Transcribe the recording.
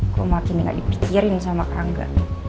kok makin gak dipikirin sama kangga